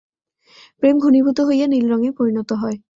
প্রেম ঘনীভূত হইয়া নীলরঙে পরিণত হয়।